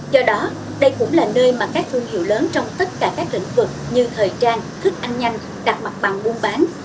do đó đây cũng là nơi mà các thương hiệu lớn trong tất cả các lĩnh vực như thời trang thức ăn nhanh đặt mặt bằng buôn bán